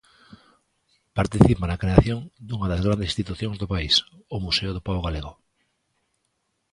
Participa na creación dunha das grandes institucións do país, o Museo do Pobo Galego.